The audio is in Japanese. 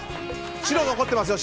白、残ってますよ。